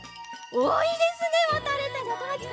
おいいですねわたれた！